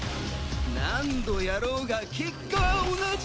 何度やろうが結果は同じだ。